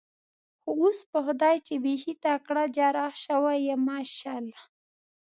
خو اوس په خدای چې بېخي تکړه جراح شوی یم، ماشاءالله.